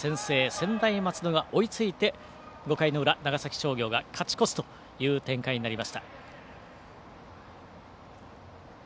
専大松戸が追いついて５回の裏長崎商業が勝ち越すという展開になりました。